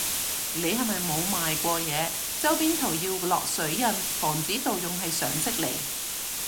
你係咪冇賣過嘢，周邊圖要落水印防止盜用係常識嚟